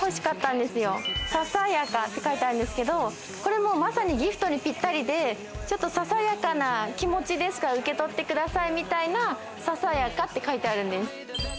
「ささやか」って書いてあるんですけどこれもまさにギフトにピッタリでささやかな気持ちですが受け取ってくださいみたいな「ささやか」って書いてあるんです。